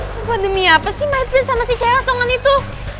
coba demi apa sih my prince sama si caya songan itu